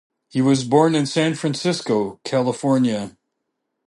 He was born in San Francisco, California.